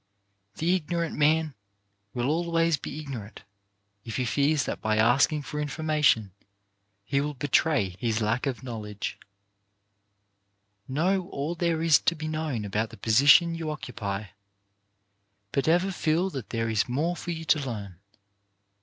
The ignorant man will always be ignorant, if he fears that by asking for information he will betray his lack of knowledge. GETTING ON IN THE WORLD 215 Know all there is to be known about the position you occupy, but ever feel that there is more for you to. learn.